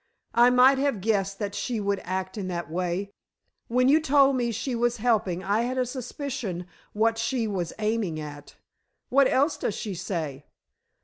"I might have guessed that she would act in that way. When you told me that she was helping I had a suspicion what she was aiming at. What else does she say?"